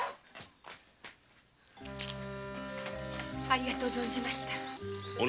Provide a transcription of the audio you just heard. ありがとう存じました。